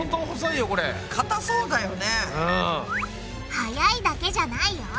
早いだけじゃないよ。